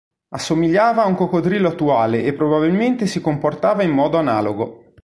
Assomigliava a un coccodrillo attuale e probabilmente si comportava in modo analogo.